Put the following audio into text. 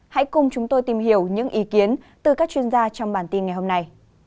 hãy cùng chúng tôi tìm hiểu những ý kiến từ các chuyên gia trong bản tin ngày hôm nay